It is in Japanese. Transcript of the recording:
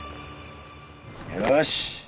よし！